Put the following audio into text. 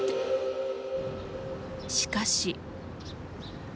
しかし。